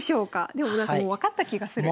でもなんかもう分かった気がする。